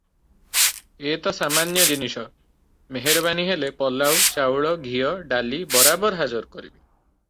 ଏ ତ ସାମାନ୍ୟ ଜିନିଷ, ମେହେରବାନି ହେଲେ ପଲାଉ ଚାଉଳ, ଘିଅ, ଡାଲି ବରାବର ହାଜର କରିବି ।